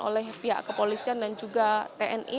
oleh pihak kepolisian dan juga tni